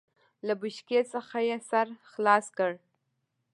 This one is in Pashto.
له بوشکې څخه يې سر خلاص کړ.